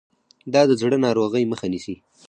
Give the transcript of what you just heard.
دا د زړه ناروغۍ مخه نیسي.